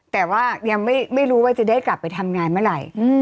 แต่ว่ายังไม่รู้ว่าจะได้กลับไปทำงานเมื่อไหร่